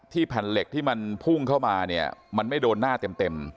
แผ่นเหล็กที่มันพุ่งเข้ามาเนี่ยมันไม่โดนหน้าเต็ม